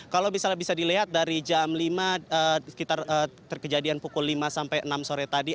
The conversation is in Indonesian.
kalau misalnya bisa dilihat dari jam lima sekitar terkejadian pukul lima sampai enam sore tadi